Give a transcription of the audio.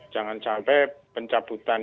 jangan sampai pencabutan